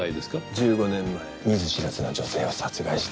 １５年前見ず知らずの女性を殺害した。